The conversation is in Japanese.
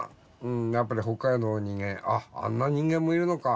やっぱり北海道の人間あっあんな人間もいるのかみたいなな。